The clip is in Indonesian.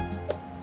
lanjutan apa saya